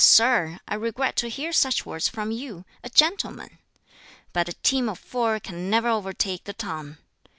sir, I regret to hear such words from you. A gentleman! But 'a team of four can ne'er o'er take the tongue!'